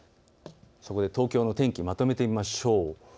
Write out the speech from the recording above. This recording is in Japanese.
東京の天気まとめてみましょう。